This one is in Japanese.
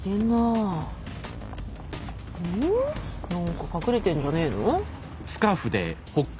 何か隠れてんじゃねえの？